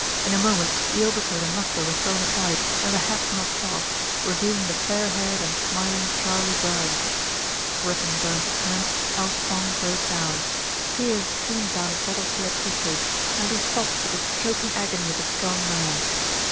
In a moment the overcoat and muffler were thrown aside and the hat knocked off, revealing the fair haired and smiling Charley Burns. Gripping Burns's hand, Alf Pond broke down. Tears streamed down his battle seared features, and he sobbed with the choking agony of a strong man.